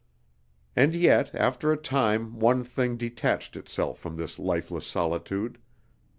And yet, after a time one thing detached itself from this lifeless solitude.